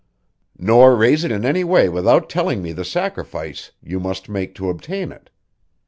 "Nor raise it in any way without telling me the sacrifice you must make to obtain it.